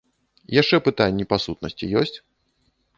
Яшчэ пытанні па сутнасці ёсць?